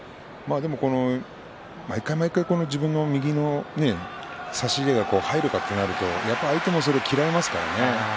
毎回毎回、自分の右の差し手が入るかとなるとやっぱり相手も嫌いますからね。